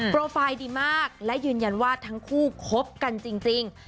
โปรไฟล์ดีมากและยืนยันว่าทั้งคู่คบกันจริง